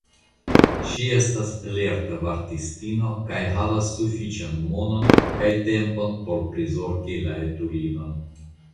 Ŝi estas lerta vartistino kaj havas sufiĉan monon kaj tempon por prizorgi la etulon.